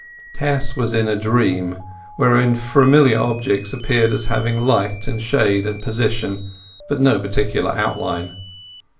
Tess was in a dream wherein familiar objects appeared as having light and shade and position, but no particular outline.